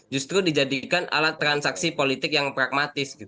justru dijadikan alat transaksi politik yang pragmatis